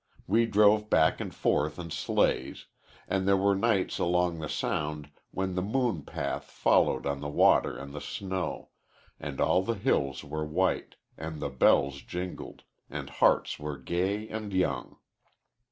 We drove back and forth in sleighs, and there were nights along the Sound when the moon path followed on the water and the snow, and all the hills were white, and the bells jingled, and hearts were gay and young.